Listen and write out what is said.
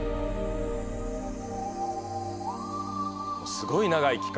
すごい長い期間。